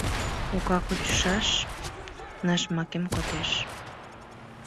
Ока кучышаш нашмакем кодеш